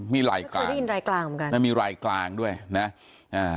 มีลายกลางไม่ได้ยินรายกลางเหมือนกันนะมีรายกลางด้วยนะอ่า